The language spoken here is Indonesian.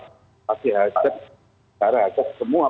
tapi hadir karena hadir semua